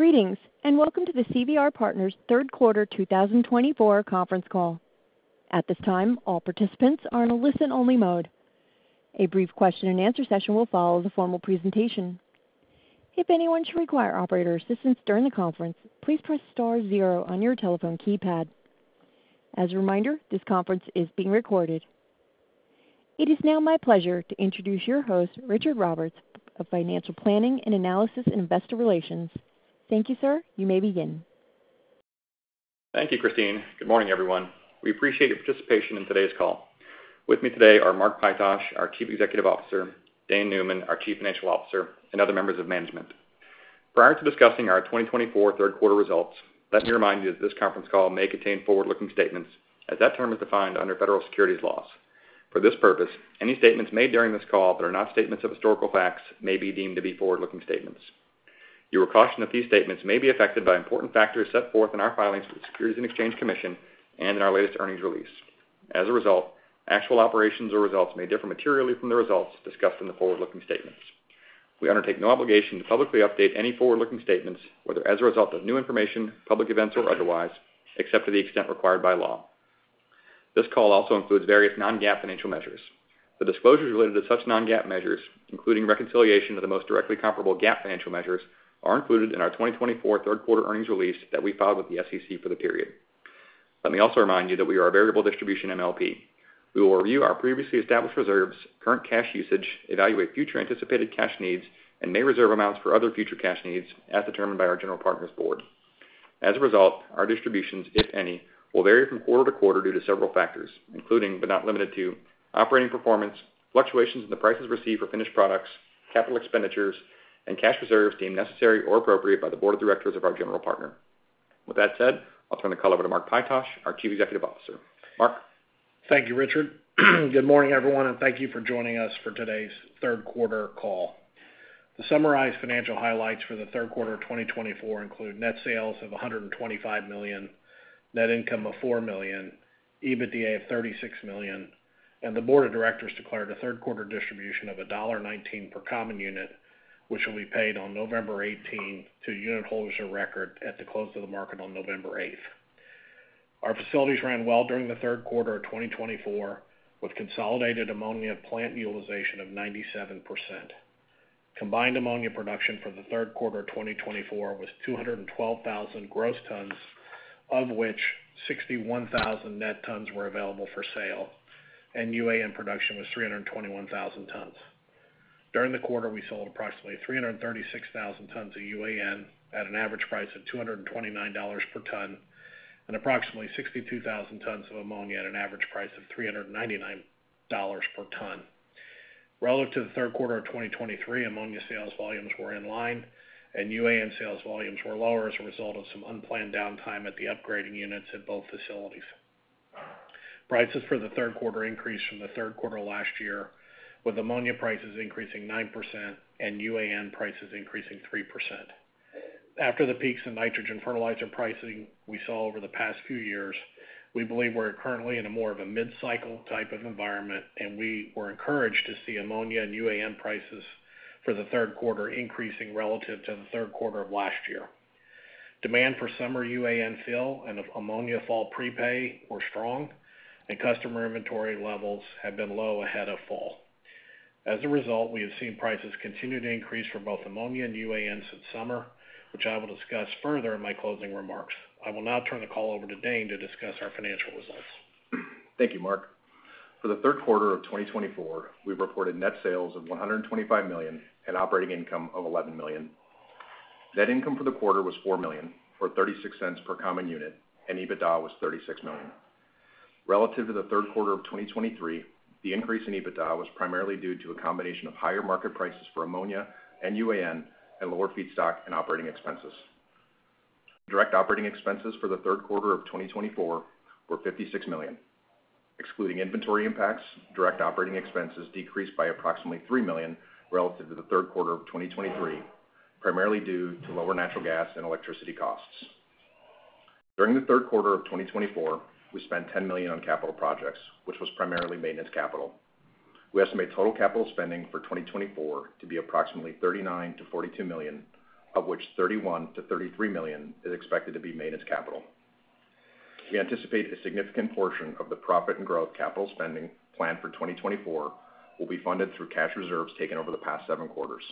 Greetings, and welcome to the CVR Partners Third Quarter 2024 Conference Call. At this time, all participants are in a listen-only mode. A brief question-and-answer session will follow the formal presentation. If anyone should require operator assistance during the conference, please press star zero on your telephone keypad. As a reminder, this conference is being recorded. It is now my pleasure to introduce your host, Richard Roberts, of Financial Planning and Analysis and Investor Relations. Thank you, sir. You may begin. Thank you, Christine. Good morning, everyone. We appreciate your participation in today's call. With me today are Mark Pytosh, our Chief Executive Officer, Dane Neumann, our Chief Financial Officer, and other members of management. Prior to discussing our 2024 third quarter results, let me remind you that this conference call may contain forward-looking statements, as that term is defined under federal securities laws. For this purpose, any statements made during this call that are not statements of historical facts may be deemed to be forward-looking statements. You are cautioned that these statements may be affected by important factors set forth in our filings for the Securities and Exchange Commission and in our latest earnings release. As a result, actual operations or results may differ materially from the results discussed in the forward-looking statements. We undertake no obligation to publicly update any forward-looking statements, whether as a result of new information, public events, or otherwise, except to the extent required by law. This call also includes various non-GAAP financial measures. The disclosures related to such non-GAAP measures, including reconciliation of the most directly comparable GAAP financial measures, are included in our 2024 third quarter earnings release that we filed with the SEC for the period. Let me also remind you that we are a variable distribution MLP. We will review our previously established reserves, current cash usage, evaluate future anticipated cash needs, and may reserve amounts for other future cash needs, as determined by our General Partner's Board. As a result, our distributions, if any, will vary from quarter to quarter due to several factors, including, but not limited to, operating performance, fluctuations in the prices received for finished products, capital expenditures, and cash reserves deemed necessary or appropriate by the Board of Directors of our General Partner. With that said, I'll turn the call over to Mark Pytosh, our Chief Executive Officer. Mark. Thank you, Richard. Good morning, everyone, and thank you for joining us for today's third quarter call. The summarized financial highlights for the third quarter of 2024 include net sales of $125 million, net income of $4 million, EBITDA of $36 million, and the Board of Directors declared a third quarter distribution of $1.19 per common unit, which will be paid on November 18 to unitholders of record at the close of the market on November 8th. Our facilities ran well during the third quarter of 2024, with consolidated ammonia plant utilization of 97%. Combined ammonia production for the third quarter of 2024 was 212,000 gross tons, of which 61,000 net tons were available for sale, and UAN production was 321,000 tons. During the quarter, we sold approximately 336,000 tons of UAN at an average price of $229 per ton and approximately 62,000 tons of ammonia at an average price of $399 per ton. Relative to the third quarter of 2023, ammonia sales volumes were in line, and UAN sales volumes were lower as a result of some unplanned downtime at the upgrading units at both facilities. Prices for the third quarter increased from the third quarter last year, with ammonia prices increasing 9% and UAN prices increasing 3%. After the peaks in nitrogen fertilizer pricing we saw over the past few years, we believe we're currently in a more of a mid-cycle type of environment, and we were encouraged to see ammonia and UAN prices for the third quarter increasing relative to the third quarter of last year. Demand for summer UAN fill and ammonia fall prepay were strong, and customer inventory levels had been low ahead of fall. As a result, we have seen prices continue to increase for both ammonia and UAN since summer, which I will discuss further in my closing remarks. I will now turn the call over to Dane to discuss our financial results. Thank you, Mark. For the third quarter of 2024, we reported net sales of $125 million and operating income of $11 million. Net income for the quarter was $4 million, or $0.36 per common unit, and EBITDA was $36 million. Relative to the third quarter of 2023, the increase in EBITDA was primarily due to a combination of higher market prices for ammonia and UAN and lower feedstock and operating expenses. Direct operating expenses for the third quarter of 2024 were $56 million. Excluding inventory impacts, direct operating expenses decreased by approximately $3 million relative to the third quarter of 2023, primarily due to lower natural gas and electricity costs. During the third quarter of 2024, we spent $10 million on capital projects, which was primarily maintenance capital. We estimate total capital spending for 2024 to be approximately $39-$42 million, of which $31-$33 million is expected to be maintenance capital. We anticipate a significant portion of the profit and growth capital spending planned for 2024 will be funded through cash reserves taken over the past seven quarters.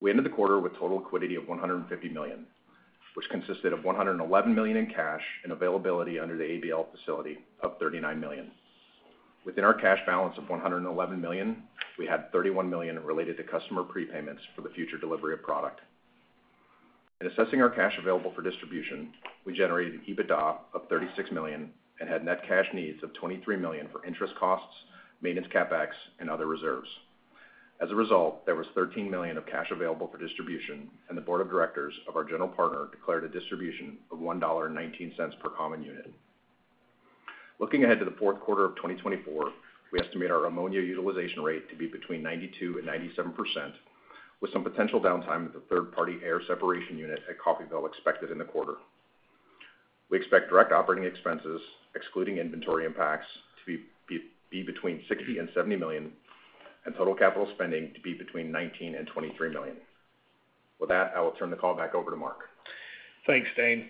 We ended the quarter with total liquidity of $150 million, which consisted of $111 million in cash and availability under the ABL facility of $39 million. Within our cash balance of $111 million, we had $31 million related to customer prepayments for the future delivery of product. In assessing our cash available for distribution, we generated an EBITDA of $36 million and had net cash needs of $23 million for interest costs, maintenance CapEx, and other reserves. As a result, there was $13 million of cash available for distribution, and the Board of Directors of our General Partner declared a distribution of $1.19 per common unit. Looking ahead to the fourth quarter of 2024, we estimate our ammonia utilization rate to be between 92% and 97%, with some potential downtime at the third-party air separation unit at Coffeyville expected in the quarter. We expect direct operating expenses, excluding inventory impacts, to be between $60 and $70 million, and total capital spending to be between $19 and $23 million. With that, I will turn the call back over to Mark. Thanks, Dane.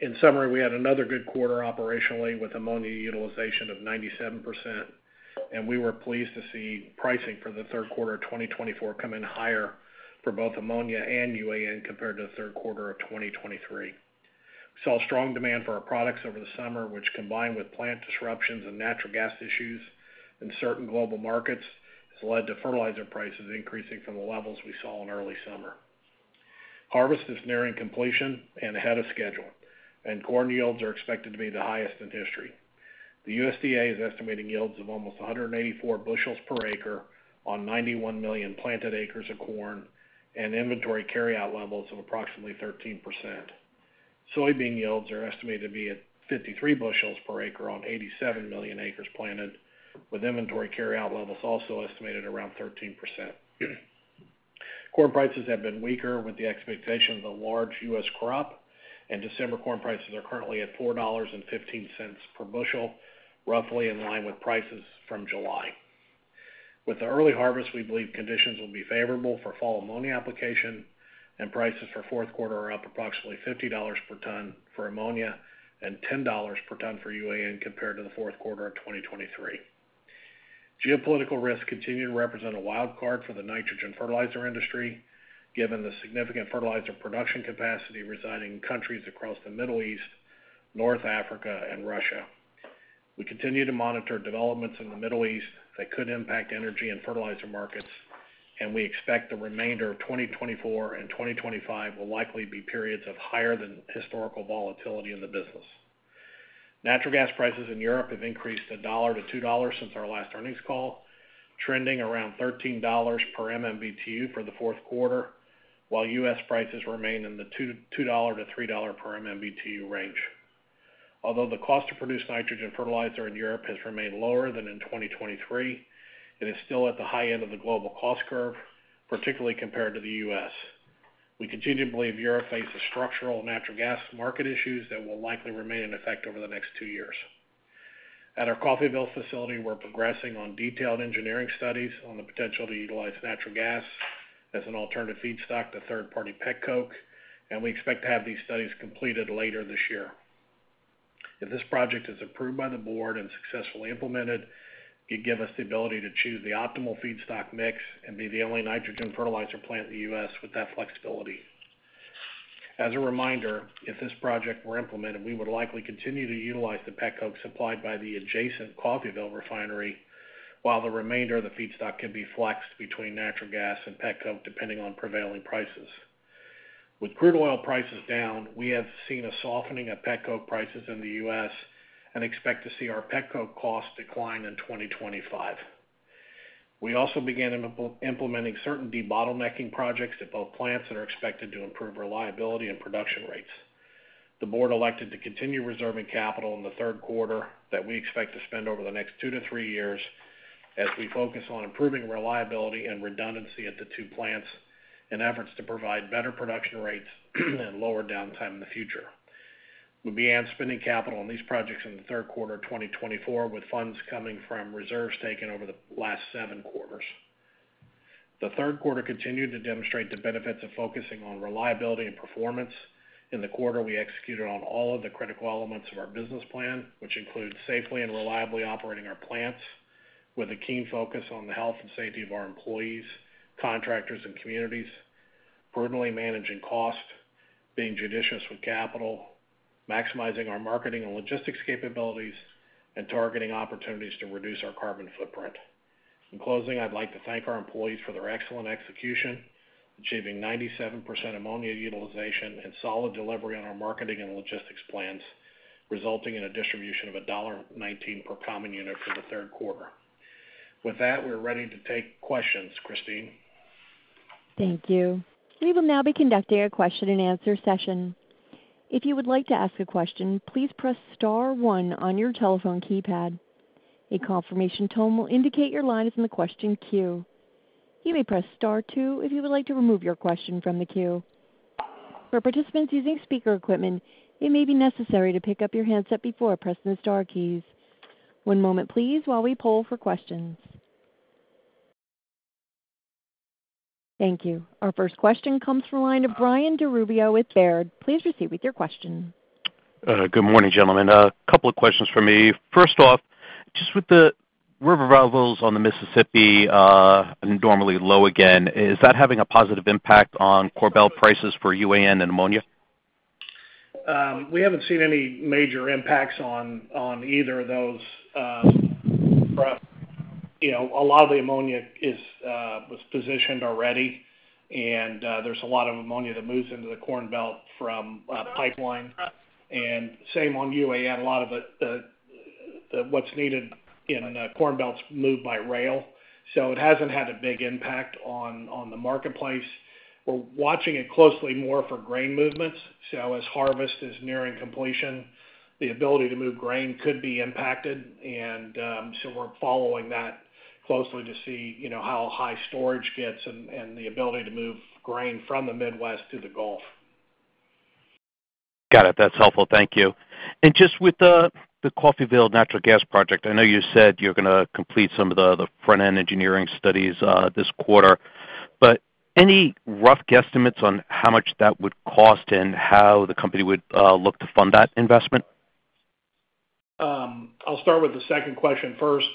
In summary, we had another good quarter operationally with ammonia utilization of 97%, and we were pleased to see pricing for the third quarter of 2024 come in higher for both ammonia and UAN compared to the third quarter of 2023. We saw strong demand for our products over the summer, which, combined with plant disruptions and natural gas issues in certain global markets, has led to fertilizer prices increasing from the levels we saw in early summer. Harvest is nearing completion and ahead of schedule, and corn yields are expected to be the highest in history. The USDA is estimating yields of almost 184 bushels per acre on 91 million planted acres of corn and inventory carryout levels of approximately 13%. Soybean yields are estimated to be at 53 bushels per acre on 87 million acres planted, with inventory carryout levels also estimated around 13%. Corn prices have been weaker, with the expectation of a large U.S. crop, and December corn prices are currently at $4.15 per bushel, roughly in line with prices from July. With the early harvest, we believe conditions will be favorable for fall ammonia application, and prices for fourth quarter are up approximately $50 per ton for ammonia and $10 per ton for UAN compared to the fourth quarter of 2023. Geopolitical risks continue to represent a wild card for the nitrogen fertilizer industry, given the significant fertilizer production capacity residing in countries across the Middle East, North Africa, and Russia. We continue to monitor developments in the Middle East that could impact energy and fertilizer markets, and we expect the remainder of 2024 and 2025 will likely be periods of higher than historical volatility in the business. Natural gas prices in Europe have increased $1-$2 since our last earnings call, trending around $13 per MMBtu for the fourth quarter, while U.S. prices remain in the $2-$3 per MMBtu range. Although the cost to produce nitrogen fertilizer in Europe has remained lower than in 2023, it is still at the high end of the global cost curve, particularly compared to the U.S. We continue to believe Europe faces structural natural gas market issues that will likely remain in effect over the next two years. At our Coffeyville facility, we're progressing on detailed engineering studies on the potential to utilize natural gas as an alternative feedstock to third-party petcoke, and we expect to have these studies completed later this year. If this project is approved by the board and successfully implemented, it could give us the ability to choose the optimal feedstock mix and be the only nitrogen fertilizer plant in the U.S. with that flexibility. As a reminder, if this project were implemented, we would likely continue to utilize the petcoke supplied by the adjacent Coffeyville refinery, while the remainder of the feedstock could be flexed between natural gas and petcoke depending on prevailing prices. With crude oil prices down, we have seen a softening of petcoke prices in the U.S. and expect to see our petcoke cost decline in 2025. We also began implementing certain debottlenecking projects at both plants that are expected to improve reliability and production rates. The board elected to continue reserving capital in the third quarter that we expect to spend over the next two to three years, as we focus on improving reliability and redundancy at the two plants in efforts to provide better production rates and lower downtime in the future. We began spending capital on these projects in the third quarter of 2024, with funds coming from reserves taken over the last seven quarters. The third quarter continued to demonstrate the benefits of focusing on reliability and performance. In the quarter, we executed on all of the critical elements of our business plan, which include safely and reliably operating our plants, with a keen focus on the health and safety of our employees, contractors, and communities, prudently managing costs, being judicious with capital, maximizing our marketing and logistics capabilities, and targeting opportunities to reduce our carbon footprint. In closing, I'd like to thank our employees for their excellent execution, achieving 97% ammonia utilization and solid delivery on our marketing and logistics plans, resulting in a distribution of $1.19 per common unit for the third quarter. With that, we're ready to take questions, Christine. Thank you. We will now be conducting a question-and-answer session. If you would like to ask a question, please press star one on your telephone keypad. A confirmation tone will indicate your line is in the question queue. You may press star two if you would like to remove your question from the queue. For participants using speaker equipment, it may be necessary to pick up your handset before pressing the star keys. One moment, please, while we poll for questions. Thank you. Our first question comes from a line of Brian DiRubbio with Baird. Please proceed with your question. Good morning, gentlemen. A couple of questions for me. First off, just with the river levels on the Mississippi normally low again, is that having a positive impact on Corn Belt prices for UAN and ammonia? We haven't seen any major impacts on either of those. A lot of the ammonia was positioned already, and there's a lot of ammonia that moves into the Corn Belt from pipeline. And same on UAN. A lot of what's needed in Corn Belt's moved by rail, so it hasn't had a big impact on the marketplace. We're watching it closely more for grain movements. So as harvest is nearing completion, the ability to move grain could be impacted, and so we're following that closely to see how high storage gets and the ability to move grain from the Midwest to the Gulf. Got it. That's helpful. Thank you. And just with the Coffeyville natural gas project, I know you said you're going to complete some of the front-end engineering studies this quarter, but any rough guesstimates on how much that would cost and how the company would look to fund that investment? I'll start with the second question first.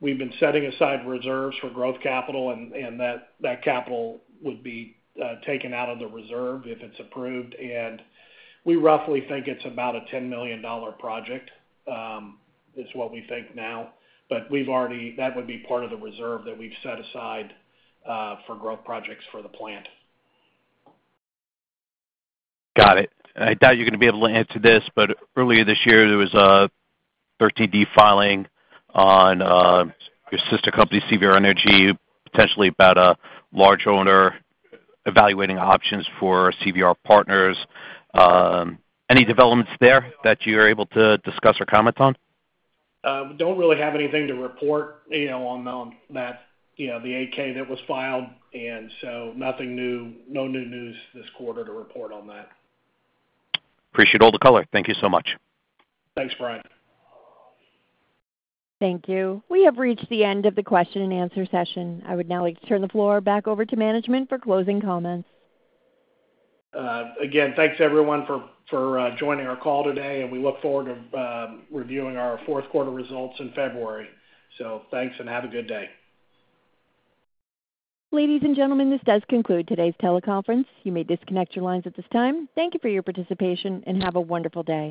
We've been setting aside reserves for growth capital, and that capital would be taken out of the reserve if it's approved, and we roughly think it's about a $10 million project is what we think now, but that would be part of the reserve that we've set aside for growth projects for the plant. Got it. I doubt you're going to be able to answer this, but earlier this year, there was a 13D filing on your sister company, CVR Energy, potentially about a large owner evaluating options for CVR Partners. Any developments there that you're able to discuss or comment on? We don't really have anything to report on that, the 8-K that was filed, and so no new news this quarter to report on that. Appreciate all the color. Thank you so much. Thanks, Brian. Thank you. We have reached the end of the question-and-answer session. I would now like to turn the floor back over to management for closing comments. Again, thanks everyone for joining our call today, and we look forward to reviewing our fourth quarter results in February. So thanks and have a good day. Ladies and gentlemen, this does conclude today's teleconference. You may disconnect your lines at this time. Thank you for your participation and have a wonderful day.